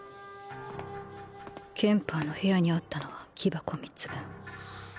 ケンパーの部屋にあったのは木箱３つ分。